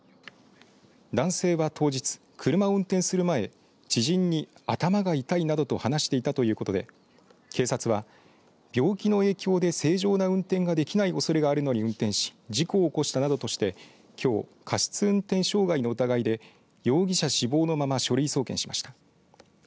男性は当日、車を運転する前知人に頭が痛いなどと話していたということで警察は、病気の影響で正常な運転ができないおそれがあるのに運転し事故を起こしたなどとしてきょう、過失運転傷害の疑いで容疑者死亡のまま書類送検しました。